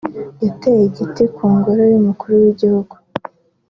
yateye igiti ku ngoro y’Umukuru w’Igihugu